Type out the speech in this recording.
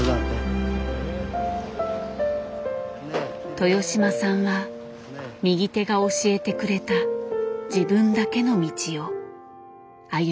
豊島さんは右手が教えてくれた自分だけの道を歩み続ける。